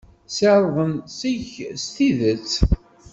Sserḍen seg-k s tidet.